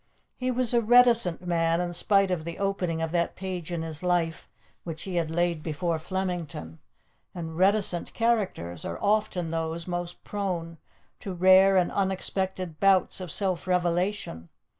He was a reticent man, in spite of the opening of that page in his life which he had laid before Flemington; and reticent characters are often those most prone to rare and unexpected bouts of self revelation.